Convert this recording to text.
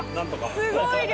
すごい量。